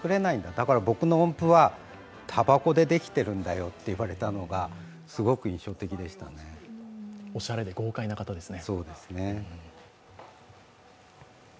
だから僕の音符はたばこでできてるんだよと言われたのがおしゃれで豪快な方ですね。